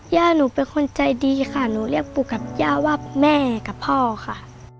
ย่าหนูเป็นคนใจดีค่ะหนูเรียกปู่กับย่าว่าแม่กับพ่อค่ะ